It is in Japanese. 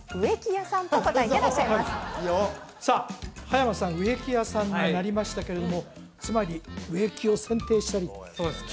葉山さん植木屋さんになりましたけれどもつまり植木を剪定したりそうです